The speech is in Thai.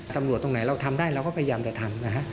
ตำรวจตรงไหนเราทำได้เราก็พยายามจะทำ